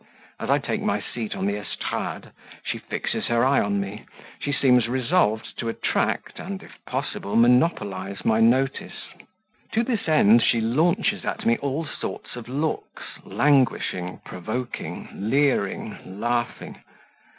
As I take my seat on the estrade, she fixes her eye on me; she seems resolved to attract, and, if possible, monopolize my notice: to this end she launches at me all sorts of looks, languishing, provoking, leering, laughing.